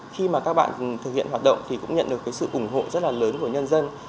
khi mà các bạn thực hiện hoạt động thì cũng nhận được cái sự ủng hộ rất là lớn của nhân dân